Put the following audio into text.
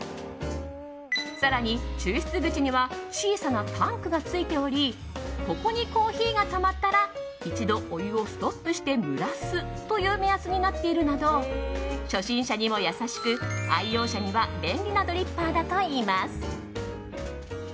更に抽出口には小さなタンクが付いておりここにコーヒーがたまったら一度お湯をストップして蒸らすという目安になっているなど初心者にも優しく愛用者には便利なドリッパーだといいます。